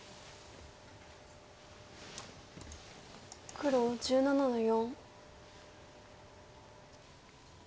黒１７の四。